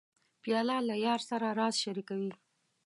پیاله له یار سره راز شریکوي.